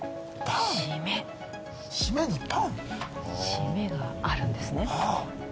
締めがあるんですね